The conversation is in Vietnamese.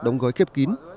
đóng gói khép kín